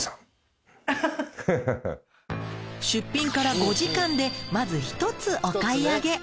出品から５時間でまず１つお買い上げ。